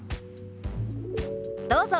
どうぞ。